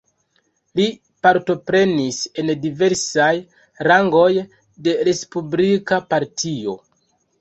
Li partoprenis en diversaj rangoj de Respublika Partio.